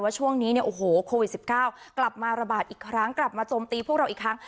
ช่วงนี้เนี่ยโอ้โหโควิด๑๙กลับมาระบาดอีกครั้งกลับมาโจมตีพวกเราอีกครั้ง